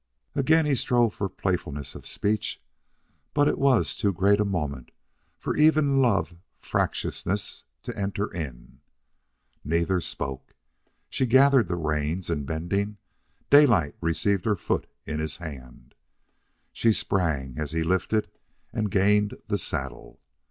Again he strove for playfulness of speech, but it was too great a moment for even love fractiousness to enter in. Neither spoke. She gathered the reins, and, bending, Daylight received her foot in his hand. She sprang, as he lifted and gained the saddle.